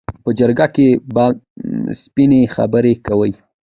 په جرګه کې به سپینې خبرې کوي.